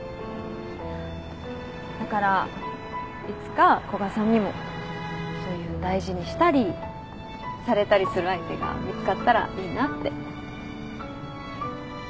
だからいつか古賀さんにもそういう大事にしたりされたりする相手が見つかったらいいなって。